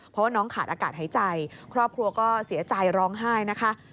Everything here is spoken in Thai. เพราะว่าน้องขาดอากาศหายใจครอบครัวก็เสียใจร้องไห้นะคะ